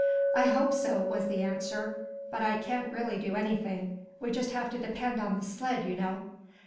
"I hope so," was the answer. "But I can't really do anything. We just have to depend on the sled, you know."